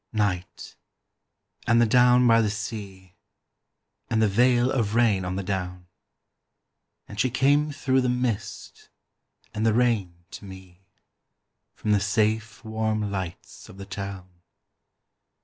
NIGHT, and the down by the sea, And the veil of rain on the down; And she came through the mist and the rain to me From the safe warm lights of the town.